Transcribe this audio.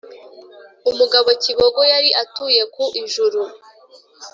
umugabo kibogo yari atuye ku ijuru,